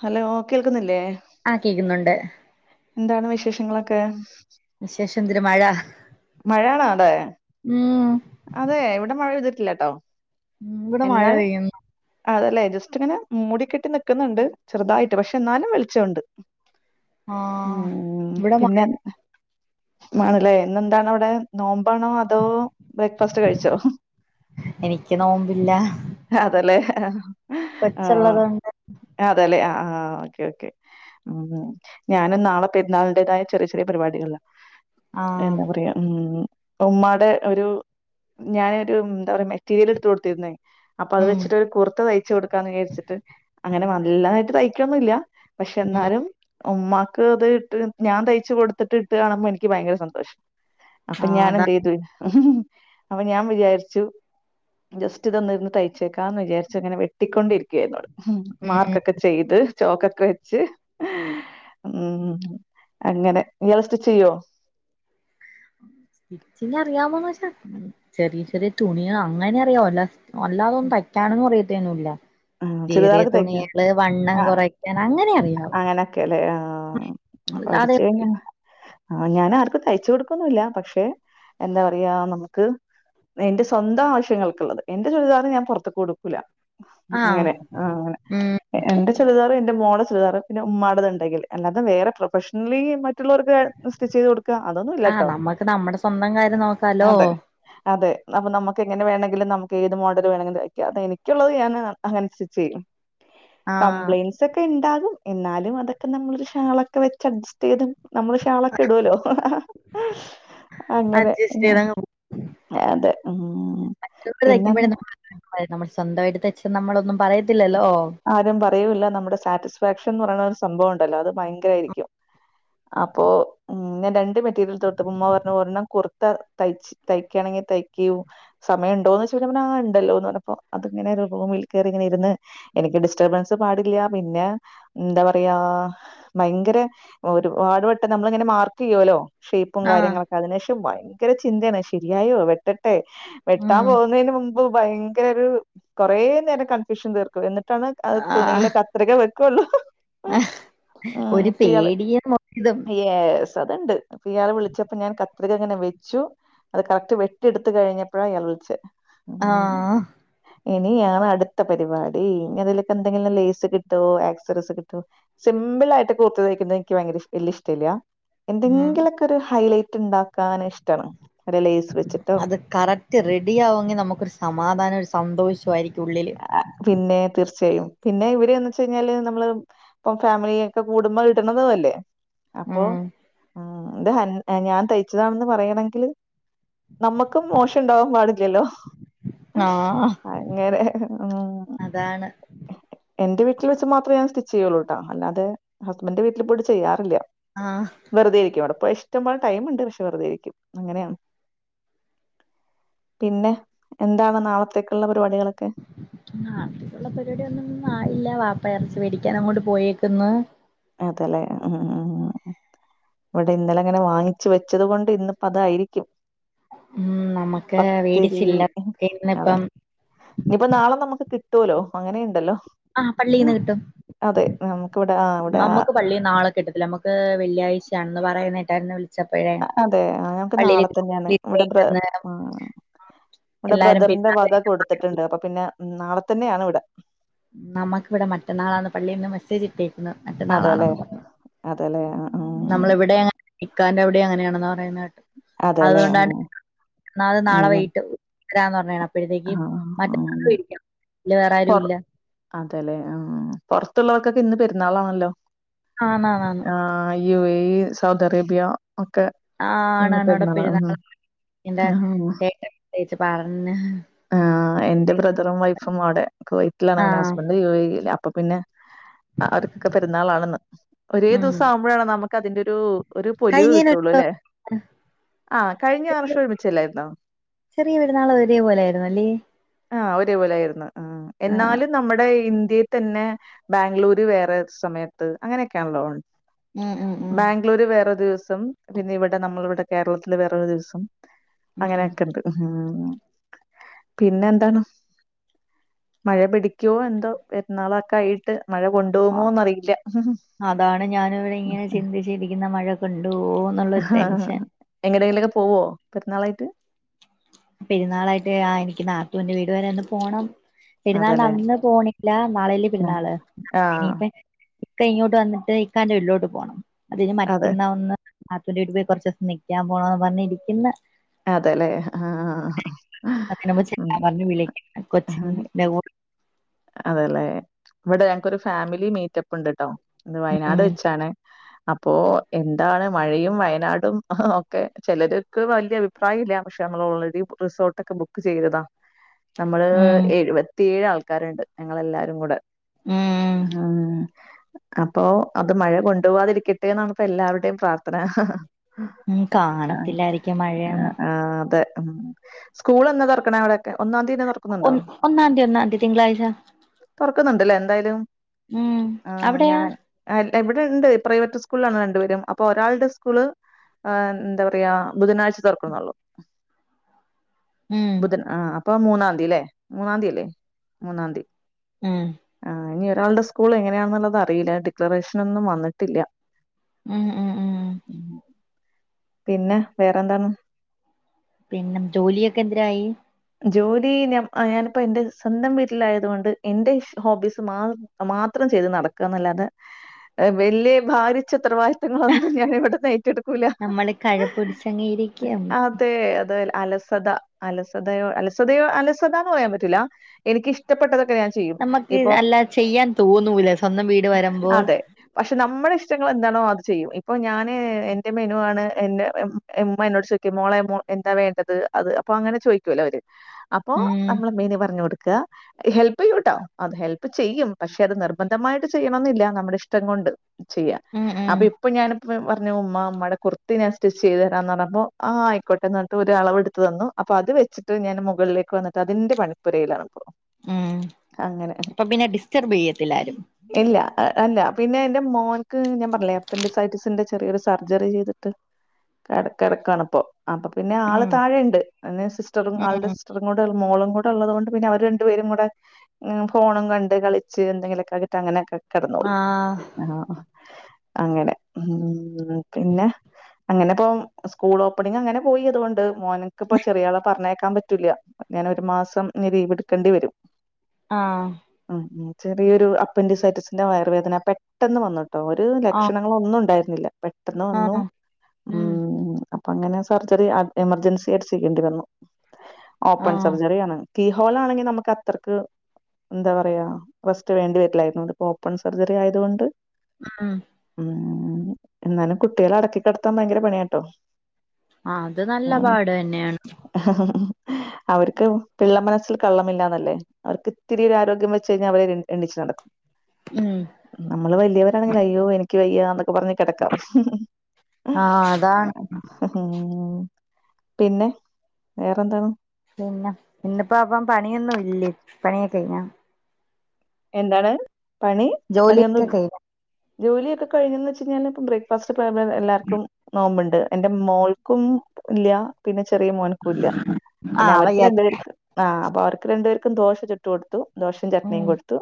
Hello കേൾക്കുന്നില്ലേ ആഹ കേക്കുന്നുണ്ട് എന്താണ് വിശേഷങ്ങളൊക്കെ വിശേഷന്തിര് മഴ മഴാണോ അവ്ടെ ഉം അതെ ഇവിടെ മഴ ഴുതിട്ടില്ലട്ടോ ഇവിടെ മഴ എന്നാൽ പെയ്യുന്നു അതല്ലേ ജസ്റ്റ് ഇങ്ങനെ മൂടികെട്ടി നിക്ക്ന്ന്ണ്ട് ചെറുതായിട്ട് പക്ഷെ എന്നാലും വെളിച്ചണ്ട് [unintelligible] ഉം ഇവിടെ മ പിന്നെന്താ ആണല്ലേ ന്നെന്താണ് വിടെ നോമ്പാണോ അതോ ബ്രേക്ക്ഫാസ്റ്റ് കഴിച്ചോ എനിക്ക് നോമ്പില്ല അതല്ലെ ആഹ കൊച്ചുള്ളതുകൊണ്ട് അതല്ലെ ആഹ ആഹ ഓക്കെ ഓക്കെ ഉം ഞാനും നാളെ പെരുന്നാളിന്റെതായ ചെറിയ ചെറിയ പരിപാടികളിലാ ആഹ് എന്താ പറയാ ഉം ഉമ്മാടെ ഒരു ഞാനരു എന്താ പറയാ മെറ്റീരിയൽ എടുത്ത കൊടുത്തിരുന്നേ അപ്പൊ അത് ഉം വെച്ചിട്ട് ഒരു കുർത്ത തയ്ച്ചു കൊടുക്കാന്ന് വിചാരിച്ചിട്ട് അങ്ങനെ നല്ലതായിട്ട് തയ്ക്കൊന്നല്ല പക്ഷെ ഉം എന്നാലും ഉമ്മാക്ക് അത് ഇട്ട് ഞാൻ തയ്ച്ചു കൊടുത്തിട്ട് ഇട്ട് കാണുമ്പോ എനിക്ക് ഭയങ്കര സന്തോഷ അപ്പൊ ആ ഞാൻ അതാ എന്ത് യ്തു അപ്പൊ ഞാൻ വിചാരിച്ചു.. ജസ്റ്റ് ഇതരുന്ന് തയ്ച്ചേക്കാന്ന് വിചാരിച്ചങ്ങനെ വെട്ടിക്കൊണ്ടി ഇരിക്കുവായി ഉം മാർക്കൊക്കെ.. ചെയ്ത് ചോക്കൊക്കെ വെച്ച് ഉം,. അങ്ങനെ ഇയാൾ സ്റ്റിച്ച് ചെയ്യോ.. സ്റ്റിച്ചിങ് അറിയാമോന്ന് വെച്ച ചെറിയ ചെറിയ തുണികൾ അങ്ങനെ അറിയാ.. അല്ലാതൊന്നും തയ്ക്കനെന്നും അറിയത്തേന്നുല്ല.. ആ, കിറിയ ചുരിദാറൊക്കെ തയ്ക്കോ തുണികള് വണ്ണം ആ കുറക്കാൻ അങ്ങനെ അറിയാവു അങ്ങനൊക്കെ അല്ലേ ആ അല്ലാതെ.. [unintelligible] ആ ഞാൻ ആർക്കും തയ്ച്ചു കൊടുക്കൊന്നില്ല പക്ഷെ എന്താ പറയാ നമുക്ക്. എന്റെ സ്വന്തം ആവശ്യങ്ങൾക്കുള്ളത് എന്റെ ചുരിദാർ ഞാൻ പുറത്ത്ക്ക് കൊടുക്കൂല. ആഹ് അങ്ങനെ ആ അങ്ങനെ. ഉം എന്റെ ചുരിദാർ എന്റെ മോള ചുരിദാർ പിന്ന ഉമ്മാടാത്ണ്ടെങ്കിൽ അല്ലാതെ വേറെ പ്രൊഫഷണലി മറ്റുള്ളവർക്ക്. സ്റ്റിച് ചെയ്ത് കൊടു. ആ നമ്മൾക്ക് നമ്മുടെ സ്വന്തം കാര്യം നോക്കാലോ. അതെ അതെ നമുക്ക് എങ്ങനെ വേണമെങ്കിലും നമുക്ക് ഏത് മോഡൽ വേണെങ്കിലും തൈക്കാം എനിക്കുള്ളത് ഞാന് അങ്ങനെ സ്റ്റിച് ചെയ്യും ആഹ് കംപ്ലൈൻസ്. ഉണ്ടും എന്നലും അതക്കെ നമ്മാളൊരൂ ഷാൾ ക്കെ വെച്ച് അടച്ചസ്റ്റ് ചൈത്. ഷാൾ ഒക്കെ ഇടുലോ അങ്ങനെ. അഡ്ജസ്റ്റ് ചെയ്തങ്ങ് അതെ ഉം പിന്നെന്താ. അ നമ്മൾ സ്വന്തംയ്ട്ട് തെയ്ച്ച നമ്മളൊന്നും പറയത്തില്ലല്ലോ. ആരും പറയൂല്ല നമ്മുടെ സാറ്റിസ്ഫാക്ഷൻ എന്ന് പറയുന്ന ഒരു സംഭവംണ്ടല്ലോ അത് ഭയങ്കര ആയിരിക്കും. അപ്പൊ ഉം ഞാൻ രണ്ട് മെറ്റീരിയൽ തൊട്ത്തപ്പോ ഉമ്മ പറഞ്ഞു ഒരെണ്ണം കുർത്ത തയ്ച്ചു. തയ്ക്കയാണെങ്കിൽ തയ്ക്ക്. സമയംണ്ടോന്ന് ചോയ്ച്ചപ്പോ ആ ഉണ്ടല്ലോ എ പറഞ്ഞപ്പപ്പോ അത്ങ്ങനെ ഒരു റുമിൽ കയറി ഇങ്ങനെ ഇര്ന്ന്. എനിക്ക് ഡിസ്റ്റർബൻസ് പാടില്ല പിന്നെ എന്താ പറയാ. ഭയങ്കര ഒരുപാട് വെട്ടം നമ്മൾങ്ങനെ മാർകോയൊലോ. ഷേ്യ്പ്പും ആഹ് കാര്യങ്ങളൊക്കെ അതിനുശേഷം ഭയങ്കര ചിന്തയാണ് ശരിയായോ വെട്ടട്ടെ. വെട്ടാൻ ഉം പോകുന്നതിന് മുമ്പ് ഭയങ്കര ഒരു കുറേ നേരം കൺഫ്യൂഷൻ തീർക്കും എന്നിട്ടാണ്. അത് ആഹ് തുണിയില കത്രിക വെക്കുള്ളു ഉം ഒരു പിയാൾ പേടിയും ഒരിതും യെസ്. അത്ണ്ട് അപ്പൊ ഇയാള് വിളിച്ചപ്പോ ഞാൻ കത്രികങ്ങനെ വെച്ചു. അത് കറ്റ് വെട്ടിട്ത്ത് കഴിഞ്ഞപ്പോഴാ ഇയാൾ വിളിച്ചെ. ഉം. ആഹ്‌. ഇനിയാണ് അടുത്ത പരിപാടി. ഇനി ഇതിലെ എന്തെങ്കിലും ലൈസ് കിട്ടോ ആക്സറീസ് കിട്ടോ. സിമ്പിൾ ആയിട്ട് കുത്ത തയ്ക്കുന്നത് എനിക്ക് ഭയങ്കര വല്യിയ ഇഷ്ടല്യ.. ഉം എന്തെങ്കിലുക്കെ ഒരു ഹൈലൈറ്റ് ഇണ്ടാക്കാൻ ഇഷ്ടമാണ് ഒരെ ലൈസ് വെച്ചിട്ടോ. അത് കറക്റ്റ് റെഡി ആവുമെങ്കിൽ നമുക്കൊരു സമാധാനം ഒരു സന്തോഷമായിരിക്കും ഉള്ളിൽ. പിന്നെ തീർച്ചയായും പിന്നെ ഇവര്ന്ന് വെച്ച കഴിഞ്ഞാല് നമ്മള്. ഇപ്പം ഫാമിലിയൊക്കെ കൂടുമ്പോ ഇടണതു അല്ലേ അപ്പൊ ഉം ഉം ഇത് ഹൻ. ഞാൻ തയ്ച്ചതാണെന്ന് പറയണമെങ്കി നമ്മുക്കും മോശം ഉണ്ടാവാൻ പാടില്ലല്ലോ. ആഹ്‌ അങ്ങനെ ഉം. എന്റെ വീട്ടിൽ വെച്ച് മാത്ര ഞാൻ സ്റ്റിച്ച് ചെയ്യുള്ളൂട്ടാ അല്ലാതെ ഹസ്ബൻഡന്റെ വീട്ടിൽ പോയിറ്റ് ചെയ്യാറില്ല. ആഹ്‌ വെറുതെയിരിക്കും അവിടെപോയാ ഇഷ്ടംപോലെ ടൈംമുണ്ട് പക്ഷെ വെറുതെയിരിക്കും അങ്ങനെയാണ്. പിന്നെ എന്താണ് നാളത്തേക്കുള്ള പരിപാടികളൊക്കെ. നാളെതെക്കുള്ള പരിപാടിയൊന്നും ആയില്ല വാപ്പ എറച്ചി മെടിക്കാൻ അങ്ങോട്ട് പോയേക്കന്ന്. അതല്ലേ ഉം ഉ ഉ.. ഇവിടെ ഇന്നലെ അങ്ങനെ വാങ്ങിച്ച് വെച്ചത് കൊണ്ട് ഇന്നിപ്പ അതായിരിക്കും. ഉം നമ്മുക്ക് പത്തിരി വേടിച്ചില്ലന്ന ഇപ്പം ഇനിപ്പപ്പോ നാളെ നമുക്ക് കിട്ടുവല്ലോ അങ്ങനെയുണ്ടല്ലോ ആഹ് പള്ളീന്ന് കിട്ടും. അതെ നമുക്ക് ഇവിടെ ആ നമുക്ക് പള്ളീന്നാളെ കിട്ടത്തില്ല നമുക്ക് വെള്ളിയാഴ്ചയാണെന്ന് പറയുന്ന കേട്ടരുന്ന് വിളിച്ചപ്പഴേ. അതെ ആഹ് ഞങ്‌ക്ക് നാളെ പള്ളിയിലേക്ക് തന്നെയാണ് ഇവിടെ ബ്ര ഇട്ടേക്കുന്ന് ഇവടെ എല്ലാരും ബ്രദറിന്റെ പെരുന്നാൾ വക കൊടുത്തട്ട്ണ്ട്. അപ്പൊ പിന്നെ നാളെ തന്നെയാണ് ഇവടെ നമ്മക്കിവിടെ മറ്റന്നാളാന്ന് പള്ളിന്ന് മെസ്സേജ് ഇട്ടേ. അതെല്ലേ മറ്റന്നാളാണെന്ന് പറഞ്ഞ. അതെല്ലേ ആ, ആ, നമ്മളിവിടെങ്ങെ ഇക്കാന്റെവിടേം അങ്ങനെയാണെന്ന പറയുന്നത് കേട്ട്. അതെല്ലേ ആ, അതുകൊണ്ടാണ് എന്നാത് നാളെ ഉം, വൈട്ട് വിടാന്ന് പറഞ്ഞാണ് ആ, അപ്പഴത്തേക്ക് മറ്റ ആ. [unintelligible] വേറെ ആരുല്ല അതെല്ലെ ആഹ് ആഹ് പൊറത്തൊള്ളോർക്കൊക്കെ ഇന്ന് പെരുന്നാളാണല്ലോ ആന്നാന്നാന്ന് ആഹ് U A E, Saudi Arabia ഒക്കെ ആഹ് ആണ് ഇന്ന് ആണ് അവിടെ ഉം. പെരുന്നാളാണ് എന്റെേ ആ, ചേട്ട ചേച്ചി പറഞ്. ആഹ് എന്റെ ബ്രദറും വൈഫും അവിടെ കുവൈറ്റിലാണ് പിന്നെ ആഹ് ഹസ്ബന്റ് യു എ ഇല് അപ്പൊ പിന്നെ അവർക്കൊക്കെ പെരുന്നാളാണെന്ന് ഒരേ ഉം ദിവസം ആവുമ്പഴാണ് നമുക്ക് അതിന്റെ ഒരു ഒരു പൊലിവ് കഴിഞ്ഞേന് ഒരു കിട്ടോള്ളൂ അല്ലേ. ആഹ് കഴിഞ്ഞ ചെറിയ വർഷം ഒരുമിച്ചല്ലായിരുന്നോ? ചെറിയ പെരുന്നാള് ഒരേപോലെയായിരുന്നല്ലേ ആഹ് ഒരേപോലെ ആയിരുന്ന്. ആഹ് ആഹ് എന്നാലും നമ്മുടെ ഇന്ത്യ പിന്നെ ബാംഗ്ലൂര് വേറെ സമയത്ത് അങ്ങനെയൊക്കെയാണല്ലോ [unintelligible] ഉം ഉം ഉം ഗ്ലൂര് വേറെ ദിവസം പിന്നെ ഇവിടെ നമ്മളിവിടെ കേരളത്തില് വേറൊരു ദിവസം ഉം അങ്ങനെയൊക്കെണ്ട് ഉം പിന്നെന്താണ് മഴ പിടിക്കോ എന്തോ പെരുന്നാളൊക്കെ ആയിട്ട് മഴ കൊണ്ട ആ [unintelligible] ന്നറിയില്ല ജീവിപ്പിക്കുന്ന മഴക്കെണ്ടോ ഹാ എങ്ങടെങ്കിലൊക്കെ പോവോ പെരുന്നാളായിട്ട്. പെരുന്നാളായിട്ട് ആഹ് എനിക്ക് നാത്തൂന്റെ വീട് വരെ ഒന്ന് പോണം പെരുന്നാളിന്റെ അതെല്ലേ അന്ന് പോണില്ല നാളെയല്ലെ പെരുന്നാള് ആഹ് ഇനിപ്പ ഇക്ക ഇങ്ങോട്ട് വന്നിട്ട് ഇക്കാന്റെ വീട്ടിലോട്ട് പോണം. അത് കഴിഞ് അതെ മറ്റന്നാ വന്ന് ഹുസ്ബന്റിന്റെ വീട്ടിപോയി കുറച്ച ദിവസം നിക്കാൻ പോണോന്നും പറഞ് ഇരിക്ക്ന്ന് അതെല്ലെ ആഹ് [unintelligible] അതേല്ലെ ഇവിടെ ഞങ്ങക്കൊരു ഫാമിലി മീറ്റപ്പ്ണ്ട്ട്ടോ. ഇന്ന് ഉം വയനാട് വെച്ചാണെ അപ്പോ എന്താണ് മഴയും വയനാടും ഒക്കെ ചിലര്ക്ക് വലിയ ദുബായില പക്ഷെ നമ്മള് ഓൾറെഡി റിസോർട്ടൊക്കെ ബുക്ക് ചെയ്തതാ. [inaudible] നമ്മള് ഉം എഴുവത്തിയേഴ് ആൾക്കാരുണ്ട് ഞങ്ങളെല്ലാരും കൂടെ ഉം ആഹ് അപ്പൊ അത് മഴ കൊണ്ടു പോവാതിരിക്കട്ടെ എന്നാണ്പ്പ എല്ലാവരുടെയും പ്രാർത്ഥന. ഉം ആഹ് കാണത്തില്ലായിരിക്കും മഴയൊന്നും ആഹ് അതെ സ്കൂൾ എന്നാ തുറക്കണെ അവിടെക്കെ ഒന്നാം തീയതി തന്നെ തുറക്കുന്നുണ്ടോ? ഒന്നാന്തി ഒന്നാന്തി തിങ്കളാഴ്ച തൊറക്കുന്ന്ണ്ടല്ലേ എന്തായാലും ഉം ആഹ് അവിടെയാ ഞാൻ ഇവിടെണ്ട്. പ്രൈവറ്റ് സ്കൂൾളാണ് രണ്ടുപേരും അപ്പൊ ഒരാളുടെ സ്കൂള് ആഹ് എന്ത പറയാ ബുധനാഴ്ച തൊർക്കുന്നുള്ളൂ [inaudible] ഉം ബുധൻ ആഹ് അപ്പൊ മൂന്നാന്തില്ലേ മൂന്നാന്തിയല്ലേ മൂന്നാന്തി. ഉം ആ ഇനി ഒരാളുടെ സ്കൂള് എങ്ങനെയാന്നുള്ളത് അറിയില്ല ഡിക്ലറേഷൻ ഒന്നും വന്നിട്ടില്ല ഉം ഉം ഉം ഉം പിന്നെ വേറെന്താണ് പിന്നെ ജോലിയൊക്കെ എന്തരായി ജോലി ഞ ആ ഞാനിപ്പോ എന്റെ സ്വന്തം വീട്ടിലായതുകൊണ്ട് എന്റെ ഇ ഹോബീസ് മാ മാത്രം ചെയ്ത് നടക്കുകാന്നല്ലാതെ വെല്ല്യ ഭാരിച്ച ഉത്തരവാദി ത്വങ്ങളൊന്നും ഞാൻ ഇവിടുന്ന് ഏറ്റെടുക്കൂല നമ്മള് കഴപ്പടിച്ചങ്ങ് ഇരിക്കും അതെ അതെ അല സത അലസതയോ അലസതയോ അലസത എന്ന് പറയാൻ പറ്റൂല്ല എനിക്ക് ഇഷ്ടപ്പെട്ടതൊക്കെ ഞാൻ ചെയ്യും. നമ്മക്ക് ഇപ്പൊ അല്ല ചെയ്യാൻ തോന്നൂലേ സ്വന്തം വീട് വരുമ്പോൾ അതെ. പക്ഷെ നമ്മടെ ഇഷ്ടങ്ങള് എന്താണോ അത് ചെയ്യും ഇപ്പൊ ഞാന് എന്റെ മെനു ആണ് എന്റെ ഏ ഉമ്മ എന്നോട് ചോദിക്കും മോളെ മോക്കെന്താ വേണ്ടത് അത് അപ്പൊ അങ്ങനെ ചോ ദിക്കൂലോ അവര് അപ്പൊ ഉം നമ്മള് മെനു പറഞ്ഞു കൊടുക്കുക ഹെൽപ് ചെയ്യൂട്ടോ അത് ഹെൽപ് ചെയ്യും പക്ഷെ അത് നിർബന്ധമായിട്ട് ചെയ്യണോന്നില്ല നമ്മുടെ ഇഷ്ടം കൊണ്ട് ചെയ്യാം ഉം ഉം അപ്പ ഇ അപ്പോ ഞാനിപ്പോ പറഞ്ഞു ഉമ്മാ ഉമ്മാടെ കുർത്തി ഞാൻ സ്റ്റിച്ച് ചെയ്ത് തരാന്ന് പറഞ്ഞപ്പോൾ ആ ആയിക്കോട്ടെ എന്ന് പറഞ്ഞിട്ട് ഒരു അളവെടുത്ത് തന്നു അപ്പൊ അത് വെച്ചിട്ട് ഞാൻ മുകളിലേക്ക് വന്നിട്ട് അതിന്റെ പണിപ്പുരയിലാണിപ്പോ ഉം അപ്പൊ പിന്നെ ഡിസ്റ്റർബ് ചെയ്യത്തില്ല ആരും ഇല്ല അ അല്ല പിന്നെ എന്റെ മോനക്ക് ഞാൻ പറഞ്ഞില്ലേ അപ്പൻഡിസൈറ്റിസിന്റെ ചെറിയൊരു സർജറി ചെയ്തിട്ട് താഴെ കെടക്കുവാണിപ്പോ അപ്പൊ പിന്നെ ആള് ഉം താഴെയുണ്ട് പിന്നേ സിസ്റ്ററും ആളുടെ ഉം സി സ്റ്ററും കൂടെ ഒരു മോളും കൂടെ ഉള്ളത് കൊണ്ട് പിന്നെ അവര് രണ്ടു പേരും കൂടെ ഉം ഫോണും കണ്ട് കളിച്ച് എന്തെങ്കിലൊക്കെ ആക്കീട്ട് അങ്ങനൊക്കെ കെടന്നോളും ആഹ് ആഹ് അങ്ങനെ ഉം പിന്നെ അങ്ങനെ ഇപ്പം സ്കൂൾ ഓപ്പണിങ് അങ്ങനെ പോയി അതുകൊണ്ട് മോനുക്കിപ്പം ചെറിയാളെ പറഞ്ഞയക്കാൻ പറ്റൂല്ല ഞാനൊരു മാസം ഇനി ലീവ് എടുക്കേണ്ടി വരും ആഹ് ഉം ഉം ചെറിയൊരു അപ്പൻഡിസൈറ്റിസിന്റെ വയറുവേദന പെ ട്ടെന്ന് വന്നൂട്ടോ ഒരു ആഹ് ലക്ഷണങ്ങള് ഒന്നും ഉണ്ടായിരുന്നില്ല പെട്ടെന്ന് വന്നു ആഹ് ഉം അ പ്പം അങ്ങനെ സർജറി അ എമർജൻസി ആയിട്ട് ചെയ്യേണ്ടി വന്നു ഓപ്പൺ ആഹ് സർജറിയാണ് കീഹോളാണെങ്കി നമുക്ക് അത്രക്ക് എന്താ പറയാ റെസ്റ്റ് വേണ്ടി വരില്ലായിരുന്നു ഇതിപ്പൊ ഓപ്പൺ സർജറി ആയതുകൊണ്ട് ഉം ഉം എന്നാലും കുട്ടികളെ അടക്കികെടത്താൻ ഭയങ്കര പണിയാട്ടോ ആഹ് അത് നല്ല പാട് തന്നെയാണ് അവർക്ക് പിള്ള മനസ്സിൽ കള്ളമില്ലാന്നല്ലേ അവർക്ക് ഇത്തിരി ഒരു ആരോഗ്യം വെച്ച് കഴിഞ്ഞാൽ അവര് എണീച്ച് നടക്കും ഉം നമ്മള് വല്ല്യോരാണെങ്കിൽ അയ്യോ എനിക്ക് വയ്യാ അതൊ ക്കെ പറഞ്ഞ് കെടക്കാം ആഹ് അതാണ് പിന്നെ വേറെന്താണ് പിന്നെ ഇന്നിപ്പോ അപ്പം പണിയൊന്നും ഇല്ലേ പണിയൊക്കെ കഴിഞ്ഞോ എന്താണ് പണി ജോലിയൊക്കെ പണിയൊന്നും കഴിഞ്ഞോ ജോലിയൊക്കെ കഴിഞ്ഞന്ന് വെച്ചാ ഞാനിപ്പോ ബ്രേക്ക്‌ ഫാസ്റ്റ് [unintelligible] എല്ലാർക്കും നോമ്പുണ്ട് എന്റെ മോൾക്കും ഇല്ല്യ പിന്നെ ചെറിയ മോനക്കൂല്ല പിന്നെ ആഹ് അവർക്ക് വയ്യാത്ത രണ്ടുപേർക്ക് ആ അതെ അവർക്ക് രണ്ടുപേർക്കും ദോശ ചുട്ടു കൊടുത്തു ത്തു ദോശേം ചട്നിം ഉം കൊടുത്തു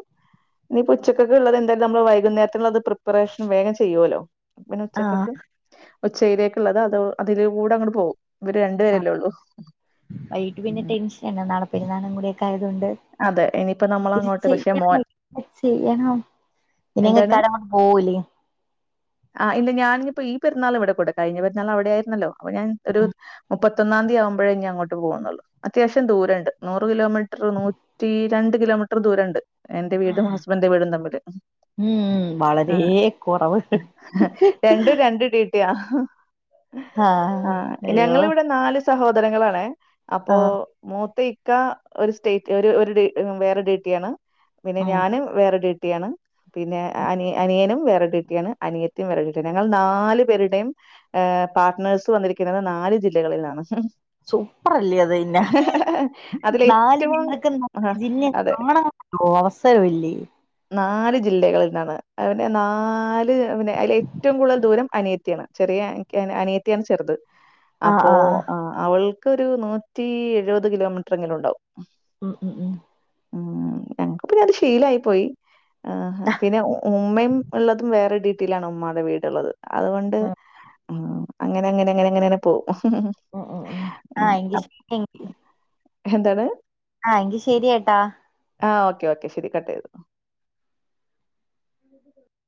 ഇനീപ്പ ഉച്ചക്കത്തെക്കൊള്ളത് എന്തായാലും നമ്മള് വൈകുന്നേരതിന് അതു പ്രി പ്പറേഷൻ വേഗം ചെയ്യുവല്ലോ, പിന്നെ ഉച്ചക്കത്ത് ആഹ് ഉച്ചയിലേക്കൊള്ളത് അത് അതില് കൂടങ്ങോട്ട് പോകും ഇവര് രണ്ടു പേരല്ലേ ഉള്ളു വൈകിട്ട് പിന്നെ ടെൻഷനാണ് നാളെ പെരുന്നാളും കൂടിയൊക്കെ ആയതൊണ്ട് അതെ ഇനിയിപ്പോ നമ്മൾ അങ്ങോട്ട് പക്ഷെ ഇത്ചെയണോ മോൻ ഇത് ച്ചെയ്യണൊ. എന്താണ് ഇനിക്കൻ്റെ അങ്ങട്ട് പോലൂലേ ആഹ്ഇന്ന് ഞാൻ ഇപ്പോ ഈ പെര്ന്നാള് ഇവിടെ കൂടാ കഴിഞ്ഞ പെുന്നാൾ അവിടെ ആരുന്നല്ലോ അപ്പ ഞാൻ ഒരു മുപ്പ പത്തൊന്നാന്തി ആകുമ്പഴേനി അങ്ങോട്ട് പോകുന്നുള്ളൂ അത്യാവശ്യം ദൂരണ്ട് നൂറ് കിലോമീറ്റർ നൂ റ്റി രണ്ട് കിലോമീറ്റർ ദൂരംഇണ്ട് എന്റെ വീടും ഹസ്ബൻഡന്റെ വീടും തമ്മില് ഉം വളരെ ആഹ് കുറവ് രണ്ടും രണ്ടും ടീട്ടിയാ ആഹ് ഞങ്ങളിവിടെ നാല് സഹോദരങ്ങളാണ് അപ്പോ ആഹ് മൂത്ത ഇക്ക ഒരു സ്റ്റേറ്റ് ഒരു ഒരു ഡ വേറെ ഡ്യൂട്ടിയാണ് പിന്നെ ഉം ഞാനും വേറെ ഡ്യൂട്ടിയാണ് പിന്നെ അനി അനിയനും വേറെ ടൂട്ടിയാണ് അനിയത്തിയും വേറെ ടൂട്ടിയാണ് ഞങ്ങൾ നാല് പേരുടെയും ആഹ് പാർട്ട്നേഴ്സ് വന്നിരിക്കുന്നത് നാല് ജില്ലകളിൽ നിന്നാണ് സൂപ്പർല്ലേ അത് പിന്ന അതിലെ നാല് ഏറ്റവും ജില്ലകൾ ആഹ് ജില്ല അതെ ആണൊസവില്ലേ നാല് ജില്ലകളിൽ നിന്നാണ് പിന്നെ നാല് പിന്നെ അതിൽ ഏറ്റവും കൂടുതൽ ദൂരം അനിയ ത്തിയാണ് ചെറുത് അനിയത്തിയാണ് ചെറുത് [inaudible] അപ്പൊ ആഹ് അവൾക്കൊരു നൂറ്റി എഴുപത് കിലോമീറ്ററെങ്കിലും ഉണ്ടാവും ഉം ഉം ഉം ഉം ഞങ്ങക്ക് പിന്ന അത് ശീലായി പോയി ആഹ് പിന്നെ ഉമ്മയും ഉള്ളതും വേറെ ഡീറ്റിയിലാണ് ഉമ്മായുടെ വീട്ള്ളത് അതുകൊണ്ട് അങ്ങനെ അങ്ങനെ അങ്ങനെ അങ്ങനെങ്ങനെ പോവും ഉം ഉ ഉം ആ എങ്കി എന്താണ് ആ എങ്കി ശരി കേട്ടാ ആ ഓക്കെ ഓക്കെ ശരി കട്ട് ചെയ്തൊ